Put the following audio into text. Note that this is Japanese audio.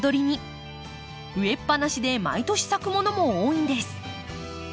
植えっぱなしで毎年咲くものも多いんです。